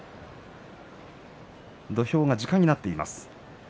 土俵が時間になっています。